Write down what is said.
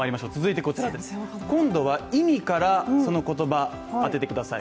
今度は意味から、その言葉、当ててください